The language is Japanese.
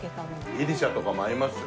ギリシャとかも合いますよ